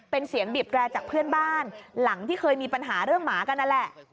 เป็นเสียงบีบแร่จากเพื่อนบ้านหลังที่เคยมีปัญหาเรื่องหมากันนั่นแหละ